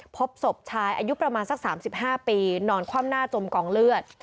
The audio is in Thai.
พบศพชายอายุประมาณสัก๓๕ปีนอนคว่ำหน้าจมกองเลือด